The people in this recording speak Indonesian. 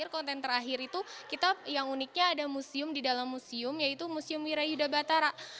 konten terakhir itu kita yang uniknya ada museum di dalam museum yaitu museum wirayuda batara